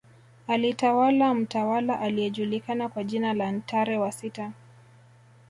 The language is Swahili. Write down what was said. Alitawala mtawala aliyejulikana kwa jina la Ntare wa sita